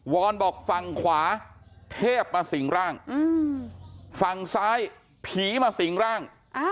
อนบอกฝั่งขวาเทพมาสิ่งร่างฝั่งซ้ายผีมาสิงร่าง